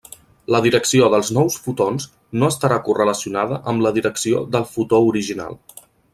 La direcció dels nous fotons no estarà correlacionada amb la direcció del fotó original.